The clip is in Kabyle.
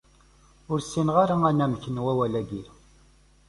Ur ssineɣ ara anamek n wawal-agi.